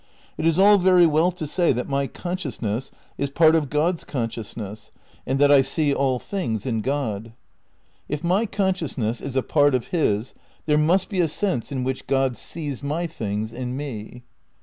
It is all very well to say that my consciousness is part of God's consciousness, and 302 THE NEW IDEALISM xi that I see all things in God. If my consciousness is a part of his there must be a sense in which Grod sees my things in me.